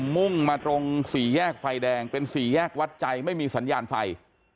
มุ่งมาตรงสี่แยกไฟแดงเป็นสี่แยกวัดใจไม่มีสัญญาณไฟ